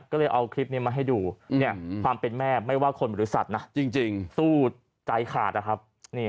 ก็เลยเอาคลิปนี้มาให้ดูความเป็นแม่ไม่ว่าคนหรือสัตว์นะจริงสู้ใจขาดนะครับ